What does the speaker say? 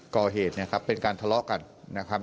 ก่อเหตุเนี่ยครับเป็นการทะเลาะกันนะครับ